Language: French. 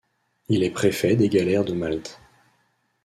Il est préfet des galères de Malte.